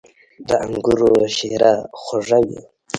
• د انګورو شیره خوږه وي.